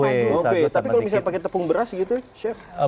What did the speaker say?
tapi kalau misal pakai tepung beras gitu chef